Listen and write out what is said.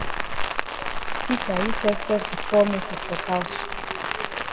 Peter yi sef sef be call me for chop haus.